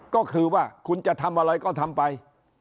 ก็คือว่าคุณจะทำอะไรก็ทำไป